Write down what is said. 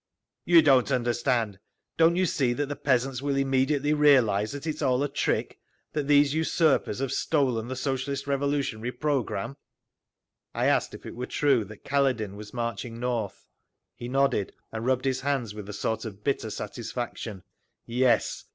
"You don't understand! Don't you see that the peasants will immediately realise that it is all a trick—that these usurpers have stolen the Socialist Revolutionary programme?" I asked if it were true that Kaledin was marching north. He nodded, and rubbed his hands with a sort of bitter satisfaction. "Yes.